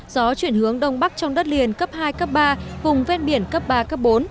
gió chuyển hướng đông bắc trong đất liền cấp hai cấp ba vùng ven biển cấp ba cấp bốn